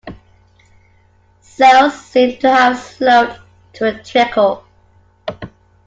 Sales seem to have slowed to a trickle.